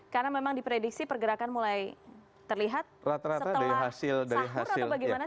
karena memang diprediksi pergerakan mulai terlihat setelah sahur atau bagaimana sih biasanya